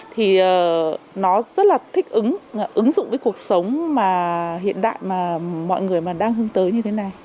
thì nó rất là thích ứng ứng dụng với cuộc sống hiện đại mà mọi người đang hướng tới như thế này